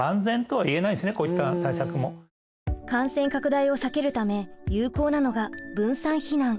感染拡大を避けるため有効なのが分散避難。